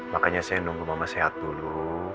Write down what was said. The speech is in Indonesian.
makanya saya nunggu mama sehat dulu